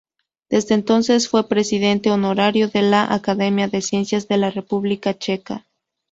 Desde entonces fue presidente honorario de la Academia de Ciencias de la República Checa.